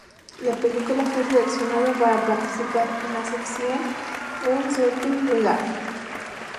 La película fue seleccionada para participar en la en la sección "Un Certain Regard".